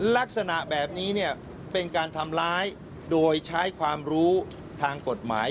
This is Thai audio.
ลักษณะแบบนี้เนี่ยเป็นการทำร้ายโดยใช้ความรู้ทางกฎหมาย